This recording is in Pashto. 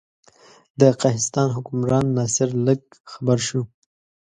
د قهستان حکمران ناصر لک خبر شو.